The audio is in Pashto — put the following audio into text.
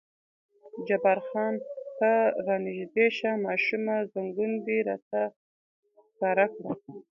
جبار خان: ته را نږدې شه ماشومه، زنګون دې راته ښکاره کړه.